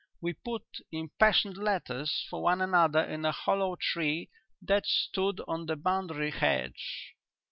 We put impassioned letters for one another in a hollow tree that stood on the boundary hedge.